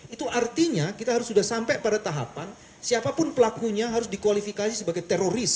itu artinya kita harus sudah sampai pada tahapan siapapun pelakunya harus dikualifikasi sebagai teroris